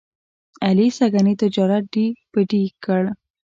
علي سږني تجارت ډۍ په ډۍ کړ.